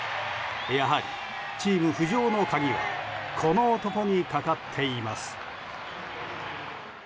やはりチーム浮上の鍵はこの男にかかっています。